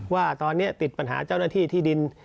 ว่าตอนนี้ติดปัญหาเจ้าหน้าที่ที่ดิน